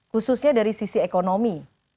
khususnya dari sisi ekonomi